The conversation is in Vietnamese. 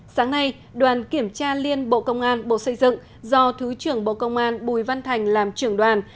sáng nay đoàn kiểm tra liên bộ công an bộ xây dựng do thứ trưởng bộ công an bùi văn thành làm trưởng đoàn